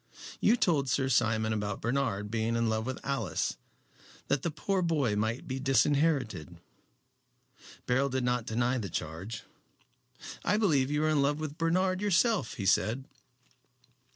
You told Sir Simon about Bernard being in love with Alice, that the poor boy might be disinherited." Beryl did not deny the charge. "I believe you are in love with Bernard yourself," he said.